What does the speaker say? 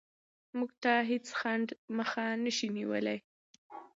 موږ ته هېڅ خنډ مخه نشي نیولی.